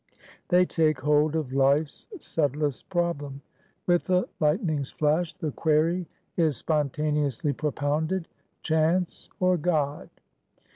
They take hold of life's subtlest problem. With the lightning's flash, the query is spontaneously propounded chance, or God?